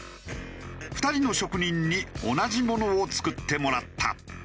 ２人の職人に同じものを作ってもらった。